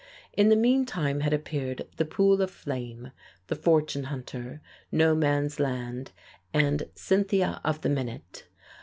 In the meantime had appeared "The Pool of Flame," "The Fortune Hunter," "No Man's Land," and "Cynthia of the Minute."